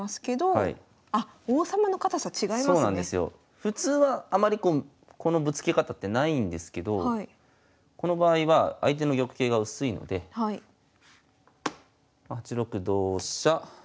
普通はあまりこうこのぶつけ方ってないんですけどこの場合は相手の玉形が薄いので８六同飛車